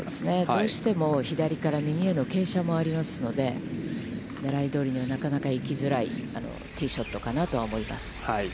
どうしても、左から右への傾斜もありますので、狙いどおりには、なかなか行きづらい、ティーショットかなとは思います。